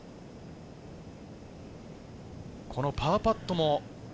このパーパットも。